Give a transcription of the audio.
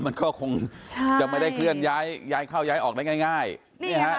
มันก็คงจะไม่ได้เคลื่อนย้ายย้ายเข้าย้ายออกได้ง่ายนี่ห้า